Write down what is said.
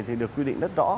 thì được quy định rất rõ